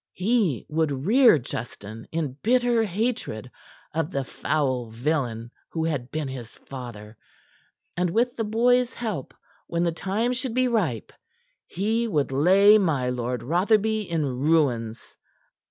He would rear Justin in bitter hatred of the foul villain who had been his father; and with the boy's help, when the time should be ripe, he would lay my Lord Rotherby in ruins.